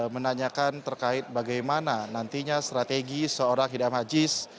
menanyakan terkait bagaimana nantinya strategi seorang idam aziz